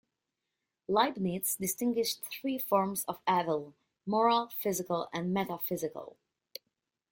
Leibniz distinguishes three forms of evil: moral, physical, and metaphysical.